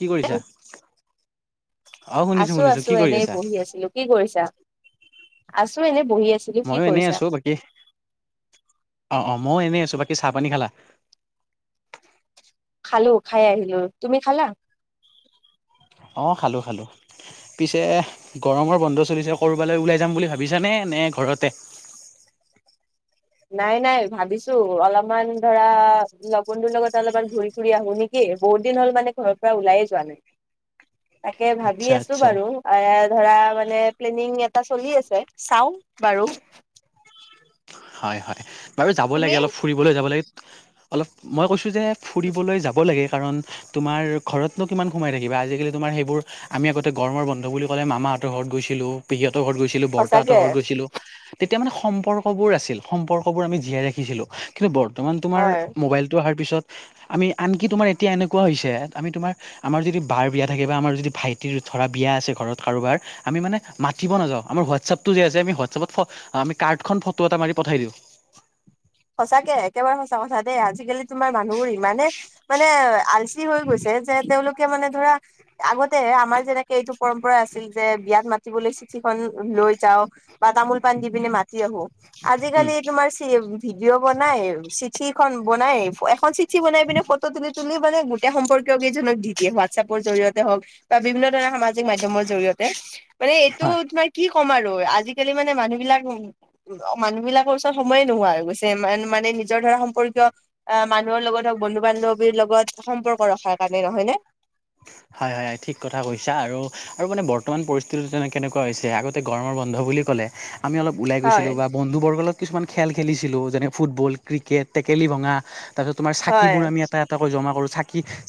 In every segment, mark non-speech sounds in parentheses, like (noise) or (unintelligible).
কি কৰিছা? অ শুনিছো আছো শুনিছো আছো কি কৰি এনেই আছা? বহি আছিলো। কি কৰিছা? আছো এনে বহি আছিলো কি ময়ো এনেই কৰিছা আছো বাকী অ' অ'। মই এনেই আছো বাকী চাহ পানী খালা? খালো খাই আহিলো তুমি খালা? অ', খালো খালো। পিছে গৰমৰ বন্ধ চলিছে কৰবালৈ ওলাই যাম বুলি ভাবিছাানে নে ঘৰতে। (inaudible) নাই নাই ভাবিছো অলপমান ধৰা লগৰটোৰ লগত অলপমান ঘূৰি ফুৰি আহো নেকি। বহুত দিন হ'ল মানে ঘৰৰ পৰা ওলাই যোৱা নাই। (inaudible) তাকে ভাবি আচ্ছা আছো আচ্ছা বাৰু। ধৰা মানে প্লেনিং এটা চলি আছে চাও বাৰু। হয় হয় বাৰু যাব তুমি লাগে অলপ ফুৰিবলৈ যাব লাগে অলপ মই কৈছো। যে ফুৰিবলৈ যাব লাগে। কাৰণ তোমাৰ ঘৰতনো কিমান সোমাই থাকিবা। আজিকালি তোমাৰ সেইবোৰ আমি আগতে গৰমৰ বন্ধ বুলি ক'লে মামা হঁতৰ ঘৰত গৈছিলো পেহীহঁতৰ ঘৰত গৈছিলো বৰৰতাহঁতৰ সঁচাকে ঘৰত গৈছিলো তেতিয়া মানে সম্পৰ্ক বোৰ আছিল। সম্পৰ্কবোৰ আমি জীয়াই ৰাখিছিলো। কিন্তু বৰ্তমান তোমাৰ হয় মোবাইলতটো অহাৰ পিছত আমি আনকি তোমাৰ এতিয়া এনেকুৱা হৈছে আমি তোমাৰ আমাৰ যদি বাৰ বিয়া থাকে বা আমাৰ যদি ভাইটিৰ ধৰা বিয়া আছে ঘৰত কাৰোবাৰ আমি মানে মাতি নাযাওঁ আমাৰ হোৱাটছএপতটো যে আমি হোৱাটছাপ আমি কাৰ্ডখন ফটো এটা মাৰি পঠাই দিলো। সঁচাকে একেবাৰে সঁচা কথা দেই আজিকালি তোমাৰ মানুহবোৰ মানে মানে আলচি হৈ গৈছে যে তেওঁলোক মানে ধৰা আগতে আমাৰ যেনেকে এইটো পৰম্পৰা আছিল যে বিয়াত মাতিবলৈ চিঠিখন লৈ যাওঁ। বা তামোল পাণ দি পিনে মাতি আহো আজিকালি উম, তোমাৰ চ ভিডিঅ' বনাই চিঠিখন বনাই এখন চিঠি বনাই পিনে ফটো তোলি তুমি মানে গোটেই সম্পৰ্কীয় কেইজনক দি দিয়ে হোৱাটছএপৰ জৰিয়তে হওক বা বিভিন্ন ধৰণৰ সামাজিক মাধ্যমৰ জৰিয়তে। মানে এইটো তোমাৰ কি ক'ম আৰু আজিকালি মানে মানুহ বিলাক মানুহবিলাকৰ ওচৰত সময়ে নোহোৱা হৈ গৈছে। মানে নিজৰ ধৰা সম্পৰ্কীয় আহ মানুহৰ লগত হওক বন্ধু বান্ধৱীৰ লগত সম্পৰ্ক ৰখা। কাৰণে নহয় নে? হয় হয় ঠিক কথা কৈছা আৰু আৰু মানে বৰ্তমান পৰিস্থিতিতো তেনে কেনেকুৱা হৈছে আগতে গৰমৰ বন্ধ বন্ধ বুলি ক'লে আমি অলপ ওলাই হয় গৈছিলোঁ বা বন্ধুবৰ্গ লগত কিছুমান খেল খেলিছিলো যেনে ফুটবল ক্ৰিকেট টেকেলি ভঙা। তাৰপিছত আমি হয়। চাকিবোৰ এটা এটাকৈ আমি এটা জমা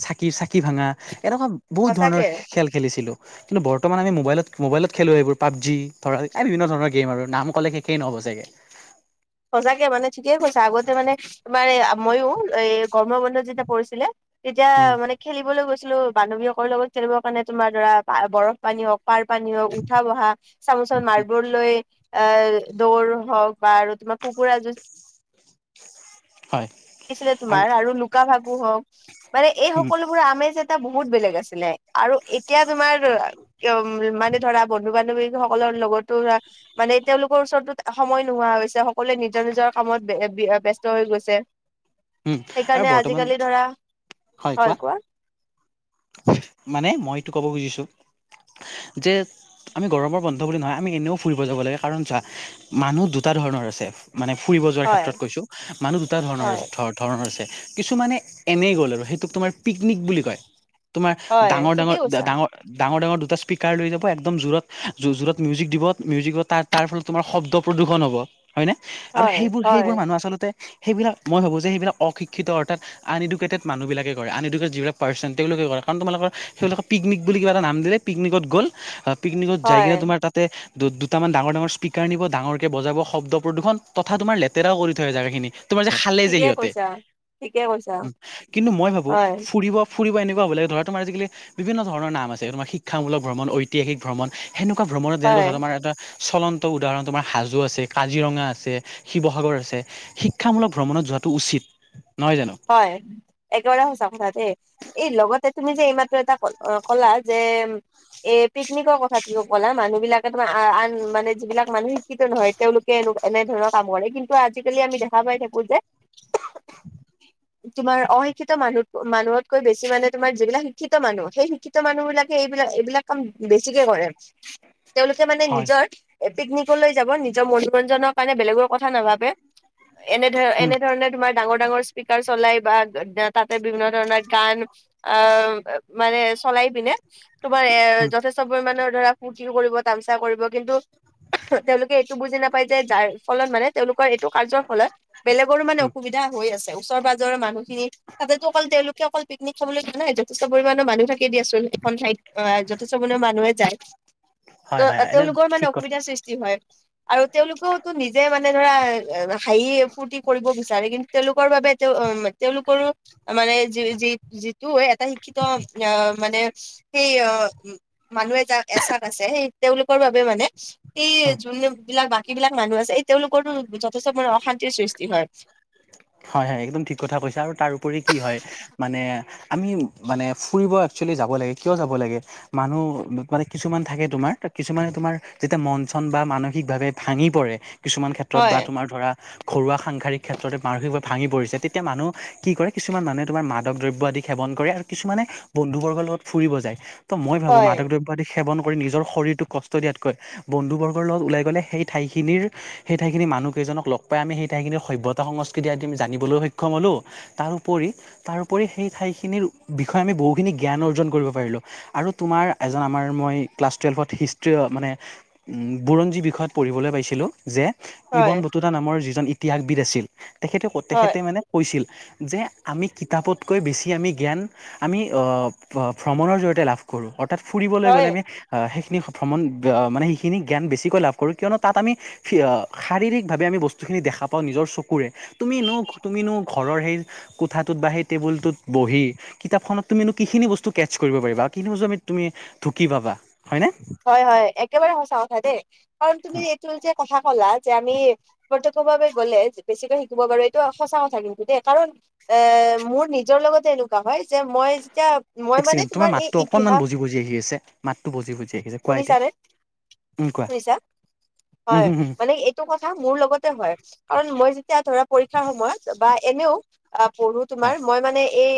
চাকি চাকি ভা এনেকুৱা বহুত ধৰণৰ সঁচাকে খেল খেলিছিলো। কিন্তু বৰ্তমান আমি মোবাইলত মোবাইলত খেলো। এইবোৰ পাবজি ধৰা এই বিভিন্ন ধৰণৰ গেম আৰু নাম ক'লে শেষেই নহ'ব। সঁচাকে। সঁচাকে মানে ঠিকে কৈছা। আগতে মানে তোমাৰ এই ময়ো এই গৰমৰ বন্ধত যেতিয়া পৰিছিলে। তেতিয়া উম, মানে খেলিবলৈ গৈ ছিলো। বান্ধৱীসকল লগত খেলিবৰ কাৰণে তোমাৰ ধৰা বৰফ পানী হওঁক, পাৰ পানী হওঁক, উঠা বহা, চামুচত মাৰ্বল লৈ, এ দৌৰ হওঁক বা আৰু তোমাৰ কুকুৰা যুজ, হয় ছিলে তোমাৰ আৰু লুকা-ভাকু হওঁক। মানে এই উম, সকলোবোৰ আমেজ এটা ব বহুত বেলেগ আছিলে আৰু এতিয়া তোমাৰ উ মানে ধৰা বন্ধু বান্ধৱীসকলৰ লগতো ধ মানে তেওঁলোকৰ ওচৰতো সময় নোহোৱা হৈছে সকলোৱে নিজৰ নিজৰ কামত ব্যস্ত হৈ গৈছে। উম আৰু সেইকাৰণে বৰ্তমান আজিকালি ধৰা হয় কোৱা মানে মই এইটো ক'ব খুজিছো যে আমি গৰমৰ বন্ধ বুলি নহয় আমি এনেও ফুৰিব যাব লাগে কাৰণ য মানুহ দুটা ধৰণৰ আছে। মানে ফুৰিব যোৱাৰ ক্ষেত্ৰত হয় কৈছো। মানুহ দুটা হয় ধৰণৰ ধৰণৰ আছে। কিছুমানে এনেই গ'ল আৰু সেইটোক তোমাৰ পিকনিক বুলি কয়। তোমাৰ হয় ডাঙৰ -ডাঙৰ ঠিকেই কৈছা -ডাঙৰ -ডাঙৰ- ডাঙৰ দুটা স্পীকাৰ লৈ যাব একদম জোৰত জোৰত মিউজিক দিব মিউজিক তাৰ তাৰ ফলত তোমাৰ শব্দ প্ৰদূষণ হ'ব। হয় নে? আৰু হয় সেইবোৰ, হয় সেইবোৰ মানুহ আচলতে সেইবিলাক মই ভাবোঁ যে সেইবিলাক অ- শিক্ষিত অৰ্থাৎ আনএডোকেটেড মানুহবিলাক কৰে। আনএডোকেটেড যিবিলাক পাৰৰ্চন তেওঁলোকে কৰে কাৰণ তোমালোকৰ সেইবিলাকক পিকনিক বুলি কিবা এটা নাম দিলে পিকনিকত গ'ল। পিকনিকত যায় হয় কিনে তোমাৰ তাতে দুটামান ডাঙৰ ডাঙৰ স্পীকাৰ নিব ডাঙৰকৈ বজাব শব্দ প্ৰদূষণ তথা তোমাৰ লেতেৰাও কৰি থয় আহে জেগাখিনি। তোমাৰ যে খালে যে ঠিকে সিহঁতে কৈছা ঠিকে কৈছা কিন্তু মই ভাবোঁ হয় ফুৰিব ফুৰিব এনেকুৱা হ'ব লাগে ধৰা তোমাৰ আজিকালি বিভিন্ন ধৰণৰ নাম আছে তোমাৰ শিক্ষামূলক ভ্ৰমণ, ঐতিহাসিক ভ্ৰমণ। সেনেকুৱা ভ্ৰমণ ত হয় যেনেকুৱা তোমাৰ এটা চলন্ত উদাহৰণ তোমাৰ হাজো আছে, কাজিৰঙা আছে, শিৱসাগৰ আছে শিক্ষামূলক ভ্ৰমণত যোৱাত টো উচিত। নহয় জানো? হয় একেবাৰে সঁচা কথা দেই। এই লগতে তুমি যে এইমাত্ৰ এটা ক ক'লা যে এ পিকনিকৰ কথাটো ক'লা মানুহ বিলাকে তোমাৰ আন মানে যিবিলাক মানুহ শিক্ষিত নহয় তেওঁলোকে এনে ধৰণৰ কাম কৰে। কিন্তু আজিকালি আমি দেখা পাই থাকো যে (inaudible) তোমাৰ অশিক্ষিত মানুহ মানুহতকৈ বেছি মানে তোমাৰ যিবিলাক শিক্ষিত মানুহ সেই শিক্ষিত মানুহ বিলাকে এইবিলাক এইবিলাক কাম বেছিকে কৰে। তেওঁলোকে মানে হয় নিজৰ পিকনিকলৈ যাব নিজৰ মনোৰঞ্জনৰ কাৰণে বেলেগৰ কথা নাভাবে এনে ধৰ উম, এনেধৰণে তোমাৰ ডাঙৰ ডাঙৰ স্পীকাৰ চলাই বা তাতে বিভিন্ন ধৰণৰ গান আহ মানে চলাই পিনে তোমাৰ এৰ উম, যথেষ্ট পৰিমণৰ ধৰা ফূৰ্তিও কৰিব, তামচা কৰিব কিন্তু তেওঁলোকে এইটো বুজি নাপায় যে যাৰ ফলত মানে তেওঁলোকৰ টো কাৰ্যৰ ফলত বেলেগৰো মানে উম, অসুবিধা হৈ আছে। ওচৰ পাজৰ মানুহখিনি। তাতেতো অকল তেওঁলোকে অকল (inaudible) খাবলৈ যোৱা নাই যথেষ্ট পৰিমাণৰ মানুহ থাকে দিয়াচোন এখন ঠাইত অ যথেষ্ট পৰিমাৰ মানুহে যায়। ত হয়, হয়, এনে তেওঁলোকৰ মানে ঠিক কথা অসুবিধাৰ সৃষ্টি হয় আৰু তেওঁলোকেওতো নিজে মানে ধৰা হাঁহি ফূৰ্তি কৰিব বিচাৰে। কিন্তু তেওঁলোকৰ বাবে তেওঁ তেওঁলোকৰো মানে যি যি যিটো এটা শিক্ষিত আহ মানে সেই অ মানুহে যাক এচাক আছে সেই তেওঁলোকৰ বাবে মানে এই যোন বিলাক বাকী বিলাক মানুহ আছে এই তেওঁলোকৰো যথেষ্ট মানে অশান্তিৰ সৃষ্টি হয়। হয় (inaudible) হয়, হয় একদম ঠিক কথা কৈছে আৰু তাৰপৰি কি হয় মানে আমি মানে ফুৰিব একচোৱেলি যাব লাগে। কিয় যাৱ লাগে? মানুহ কিছুমান থাকে তোমাৰ কিছুমানে তোমাৰ যেতিয়া মন চন বা মানসিক ভাৱে ভাঙি পৰে। কিছুমান ক্ষেত্ৰত বা হয় তোমাৰ ধৰা ঘৰুৱা সাংসাৰিক ক্ষেত্ৰ তে মানসিকভাৱে ভাঙি পৰিছে। তেতিয়া মানুহ কি কৰে কিছুমান মানুহে তোমাৰ মাদক দ্ৰব্য আদি সেৱন কৰে আৰু কিছুমানে বন্ধুবৰ্গৰ লগত ফুৰিব যায়। ত' মই ভাবো হয় মাদক দ্ৰব্য সেৱন কৰি নিজৰ শৰীৰটোক কষ্ট দিয়াতকৈ বন্ধুবৰ্গৰ লগত ওলাই গ'লে সেই ঠাই সেই ঠাই মানুহকেইজনক লগ পাই আম সেই ঠাইখিনিৰ সভ্যত সংস্কৃতি আদি আমি জানিবলৈ সক্ষম হ'লো। তাৰোপৰি তাৰোপৰি সেই ঠাইখিনিৰ বিষয়ে আমি বহুখিনি জ্ঞান অৰ্জন কৰিব পাৰিলোঁ আৰু তোমাৰ এজন আমাৰ মই ক্লাছ টুৱেল্ভত হিষ্ট্ৰি মানে বুৰঞ্জী বিষয়ত পঢ়িবলৈ পাইছিলোঁ যে হয় ইবন বটুতা নামৰ যিজন ইতিহাসবিদ আছিল তেখেতে হয় তেখেতে মানে কৈছিল। যে আমি কিতাপতকৈ বেছি আমি জ্ঞান আমি ভ্ৰমণৰ জৰিয়তে লাভ কৰোঁ। অৰ্থা ৎ ফুৰিবলৈ গ'লে হয় আমি ভ্ৰমণ মানে সেইখিনি জ্ঞান বেছিকৈ লাভ কৰোঁ। কিয়নো তাত আমি শাৰীৰিকভাৱে আমি বস্তু দেখা পাওঁ নিজৰ চকু কুৰে তুমিনো তুমি য়নো ঘৰৰ সেই কোঠাটোত বা সেই টেবুলটোত বহি কিতাপখনত তুমিনো কিখিনি বস্তু কেটচ কৰিব পাৰিবা কিখিনি বস্তু আমি তুমি ঢুকি পাবা। হয়নে হয়, হয় একেবাৰে সঁচা কথা দেই কাৰণ তুমি এইটো যে আশা কলা যে আমি প্ৰত্যক্ষভাৱে গলে বেছিকৈ শিকিব পাৰো এইটো সঁচা কথা কিন্তু দেই। কাৰণ এ মোৰ নিজৰ লগতে এনেকুৱা হয় যে মই যেতিয়া মই এক মানে চেকেণ্ড তোমাৰ এই মাতটো অকনমান ইতিহাস বজি বজি আহি আছে মাতটো বজি বুজি আহি আছে কোৱা এতিয়া। শুনিছানে উম, কোৱা। শুনিছা উম হয় হুম হুম মানে এইটো কথা মোৰ লগতে হয়। কাৰণ মই যেতিয়া ধৰা পৰীক্ষাৰ সময়ত বা এনেও পঢ়ো তোমাৰ হয় মই মানে এই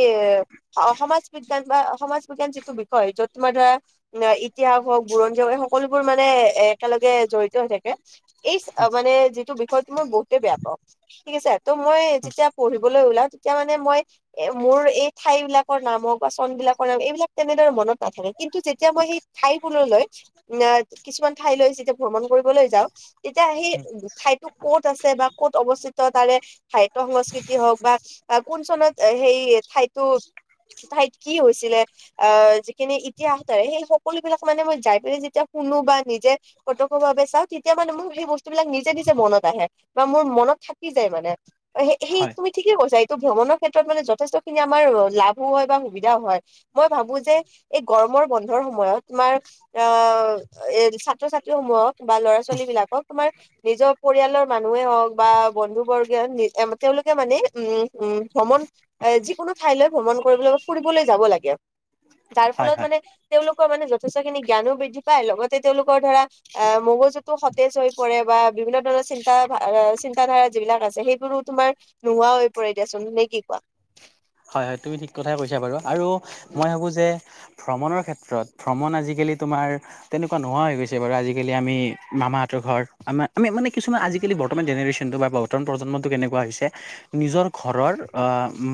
সমাজ বিজ্ঞান বা সমাজ বিজ্ঞান যিটো বিষয় য'ত তোমাৰ ধৰা ইতিহাস হওক বুৰঞ্জ হওক এই সকলো বোৰ মানে এ একেলগে জড়িত হৈ থাকে। এই মানে যিটো বিষয়ো মই বহুতেই বেয়া পাওঁ ঠিক আছে। ত' মই উম, যেতিয়া পঢ়িবলৈ ওলাও তেতিয়া মানে মই এ মোৰ এই ঠাইবিলাকৰ নাম হওক বা চন বিলাকৰ নাম এইবিলাক তেনেদৰে মনত নাথাকে। কিন্তু যেতিয়া যেতিয়া মই সেই ঠাইবোৰলৈ আহ কিছুমান ঠাইলৈ যেতিয়া ভ্ৰমণ কৰিবলৈ যাওঁ। তেতিয়া সেই উম, ঠাইবোৰ ক'ত আছে বা ক'ত অৱস্থিত তাৰে সাহিত্য সংস্কৃতি হওক বা কোন চনত সেই ঠাইতো ঠাইত কি হৈছিলে আহ যিখিনি ইতিহাস সেই সকলো বিলাক মানে মই যাই পিনে যেতিয়া শুনো বা নিজে প্ৰত্যক্ষৰ বাবে চাওঁ তেতিয়া মানে মোৰ সেই বস্তু বিলাক নিজে নিজে মনত আহে বা মোৰ মনত থাকি যায় মানে অ সেই হয় তুমি ঠিকে কৈছা ত' ভ্ৰমণৰ ক্ষেত্ৰত মানে যথেষ্টখিনি আমাৰ লাভো হয় বা সুবিধাও হয় মই ভাবো যে এই গৰমৰ বন্ধৰ সময়ত তোমাৰ আহ এ ছাত্ৰ ছাত্ৰী সমূহক বা ল'ৰা ছোৱালীবিলাকক তোমাৰ নিজৰ পৰিয়ালৰ মানুহ মানুহে হওক বা বন্ধু বৰ্গে নি তেওঁওলোকে মানে উম উম, ভ্ৰমণ যিকোনো ঠাইলৈ ভ্ৰমণ কৰিবলৈ ফুৰিবলৈ যাব লাগে। যাৰ হয় ফলত হয় মানে তেওঁলোকৰ মানে যথেষ্টখিনি জ্ঞানো বৃদ্ধি পায় লগতে তেওঁলোকৰ ধৰা অ' মগজুতো সতেজ হৈ পৰে বা বা বিভিন্ন ধৰণৰ চিন্তা চিন্ত ধাৰা যিবিলাক আছে সেইবোৰো তোমাৰ নোহোৱা হৈ পৰে এতিাচোন নে কি কোৱা? হয়, হয় তুমি ঠিক কথাই কৈছা বাৰু আৰু মই ভাবো যে ভ্ৰমণৰ ক্ষেত্ৰত ভ্ৰমণ আজিকালি তোমাৰ তেনেকুৱা নোহোৱা হৈ গৈছে বাৰু আজিকালি আমি মামাহতঁৰ ঘৰত আমি মানে কিছুমান আজিকালি বৰ্তমান জেনেৰেচনটো বা বৰ্তমান প্ৰজন্মটো কেনেকুৱা হৈছে নিজৰ ঘৰৰ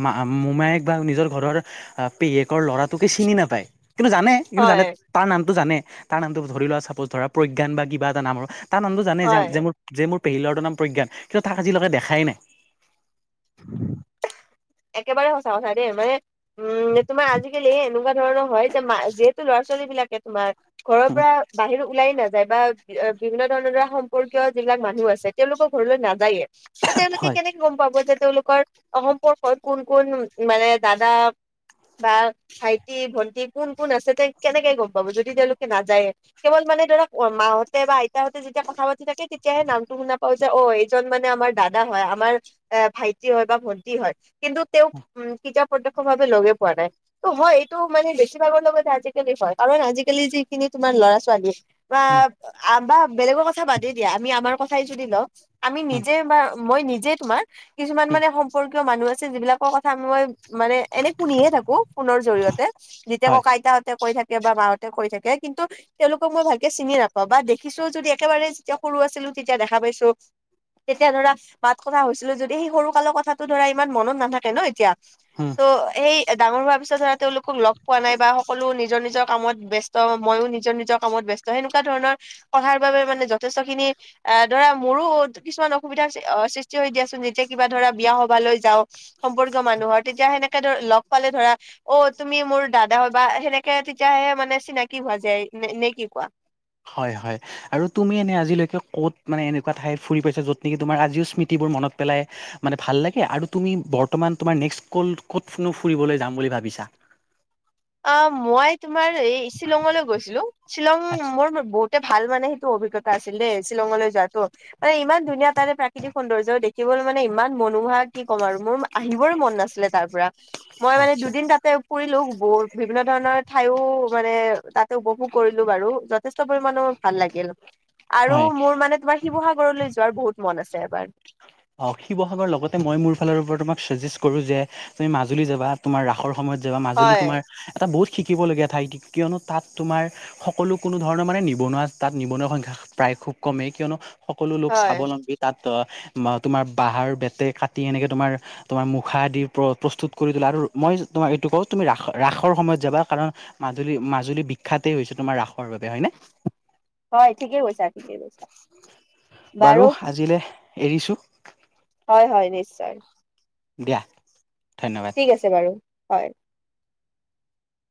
মা মোমায়েক বা নিজৰ ঘৰৰ পেহীয়েকৰ ল'ৰাটোকে চিনি নাপায়। কিন্তু জানে কিন্তু জানে হয় তাৰ নামটো জানে তাৰ নামটো ধৰি লোৱা চাপজ ধৰা প্ৰজ্ঞান বা কিবা এটা নামৰ তাৰ নামটো জানে হয় যে মোৰ মোৰ পেহীৰ ল'ৰটো নাম প্ৰজ্ঞান কিন্তু তাক আজিলৈকে দেখাই নাই। একেবাৰে সঁচা কথা দেই মানে উম তোমাৰ আজিকালি এনেকুৱা ধৰণৰ হয় যে যিহেতু ল'ৰা ছোৱালী তোমাৰ ঘৰৰ পৰা বাহিৰ ওলাই নাযায় বা বিভিন্ন ধৰণৰ সম্পৰ্কীয় যিবিলাক মানুহ আছে তেওঁলোকৰ ঘৰলৈ নাযায়ে ত' তেওঁলোকে হয় কেনেকে গম পাব যে তেওঁলোকৰ সম্পৰ কোন কোন মানে দাদা বা ভাইটি, ভন্টি কোন কোন আছে তেওঁ কেনেকে গম পাব যদি তেওঁওলোকে নাযায়ে কেৱল মানে ধৰক মাহঁতে বা আইতাহঁতে যেতিয়া কথা পাতি থাকে তেতিয়াহে নামটো শুনা পাওঁ যে অ' এইজন মানে আমাৰ দাদা। দাদা হয়, আমাৰ এ, ভাইটি হয় বা ভন্টি হয়। কিন্তু তেওঁক উম, কিতা প্ৰত্যক্ষভাৱে লগে পোৱা নাই ত' মই এইটো মানে বেছিভাগৰ লগত আজিকালি হয়। কাৰণ আজিকালি যিখিনি তুমাৰ ল'ৰা ছোৱালী বা উম, বা বেলেগৰ কথা বাদেই দিয়া আমি আমাৰ কথাই যদি লওঁ। আমি উম, নিজে বা মই নিজে তোমাৰ কিছুমান উম, মানে সম্পৰ্কীয় মানুহ আছে যিবিলাকৰ কথা মই মানে এনে শুনিহে থাকোঁ ফোনৰ জৰিয়তে, যেতিয়া হয় ককা আইতাহঁতে কৈ থাকে বা মাহতে কৈ থাকে কিন্তু তেওঁলোকক মই ভালকে চিনি নাপাওঁ বা দেখিছো যদি একেবাৰে যেতিয়া সৰু সৰু আছিলোঁ তেতিয়া দেখা পাইছোঁ, তেতিয়া ধৰা বাত কথা হৈছিলে যদি সেই সৰু কালৰ কথাটো ধৰা ইমান মনত নাথাকে ন' এতিয়া, উম। ত' সেই ডাঙৰ হোৱাৰ পিছত ধৰা তেওঁলোকক লগ পোৱা নাই বা সকলো নিজৰ নিজৰ কামত ব্যস্ত, ময়ো নিজৰ নিজৰ কামত ব্যস্ত। ত' সেনেকুৱাধৰণৰ পৰাৰ বাবে মানে যথেষ্টখিনি আহ, ধৰা মোৰো কিছুমান অসুবিধা সৃষ্টি হৈ দিয়াচোন, যেতিয়া কিবা ধৰা বিয়া সভালৈ যাওঁ, সম্পৰ্কীয় মানুহৰ তেতিয়া সেনেকে ধৰা লগ পালে ধৰা অ' তুমি মোৰ দাদা হয় বা সেনেকে কে তেতিয়াহে মানে চিনাকি হোৱা যায় নে কি কোৱা? হয় হয় আৰু তুমি এনে আজিলৈকে ক'ত মানে এনেকুৱা ঠাই ফুৰি পাইছা য'ত নেকি তোমাৰ আজিও স্মৃতিবোৰ মনত পেলাই মানে ভাল লাগে আৰু তুমি বৰ্তমান তোমাৰ নেক্সট ক'ত ফুৰিবলৈ যাম বুলি ভাবিছা? আ মই তোমাৰ এই শ্বিলঙলৈ গৈছিলোঁ। শ্বিলং আচ্ছা মোৰ বহুতে ভাল মানে সেইটো অভিজ্ঞতা আছিল দেই, শ্বিলঙলৈ যোৱাটো, মানে ইমান ধুনীয়া তাৰে প্ৰাকৃতিক সৌন্দৰ্য দেখিবলৈ মানে ইমান মনোহৰা কি ক'ম আৰু মোৰ আহিবৰে মন নাছিলে তাৰ পৰা। মই মানে আচ্ছা দুদিন তাতে পৰিলোঁ বহুত বিভিন্ন ধৰণৰ ঠাইও মানে তাতে উপভোগ কৰিলোঁ বাৰু। যথেষ্ট তবোৰ মানুহক ভাল লাগিল। আৰু হয়। মোৰ মানে তোমাৰ শিৱসাগৰলৈ যোৱাৰ বহুত মন আছিল। (unintelligible) অ' শিৱসাগৰ, লগতে মই মোৰ ফালৰপৰা তোমাক চাজেষ্ট কৰোঁ যে তুমি মাজুলী যাবা তোমাৰ ৰাসৰ সময়ত যাবা, মাজুলী হয় তোমাৰ এটা বহুত শিকিবলগীয়া ঠাই, কিয়নো তাত তোমাৰ সকলো কোনোধৰণৰ মানে নিবনুৱা তাত নিবনুৱা সংখ্যা প্ৰায় খুব কমেই কিয়নো সকলো লোক হয় স্বাৱলম্বী তাত অ বা তোমাৰ বাঁহৰ, বেতে কাটি এনেকে তোমাৰ তোমাৰ মুখা আদি প্ৰস্তুত কৰি তুলে আৰু মই তোমাক এইটো কওঁ তুমি ৰাস-ৰাসৰ সময়ত যাবা কাৰণ মাজুলী মাজুলী বিখ্যাতেই হৈছে তোমাৰ ৰাস সৰ বাবে হয়নে? হয় ঠিকেই কৈছা, ঠিকেই কৈছা। বাৰু এৰিছোঁ। হয় হয় নিশ্চয়। দিয়া। ধন্যবাদ ঠিক আছে বাৰু হয়।